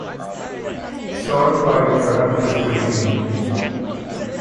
Sort by product description.